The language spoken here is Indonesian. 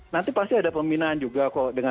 nanti pasti ada pembinaan juga